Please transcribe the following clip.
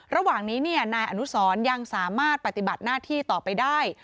ระหว่างนี้นายอนุสรยังสามารถปฏิบัติหน้าที่ต่อไปได้